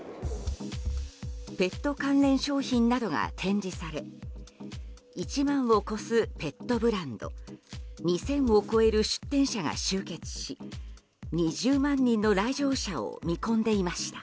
ペット関連商品などが展示され１万を超すペットブランド２０００を超える出展者が集結し２０万人の来場者を見込んでいました。